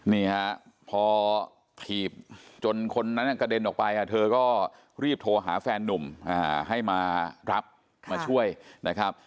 นี่ฮะพอถีบจนคนนั้นกระเด็นออกไปเธอก็รีบโทรหาแฟนนุ่มให้มารับมาช่วยนะครับ